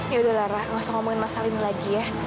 ya udahlah nggak usah ngomongin masalah ini lagi ya